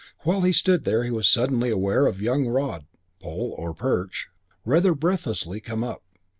While he stood there he was suddenly aware of Young Rod, Pole or Perch, rather breathlessly come up.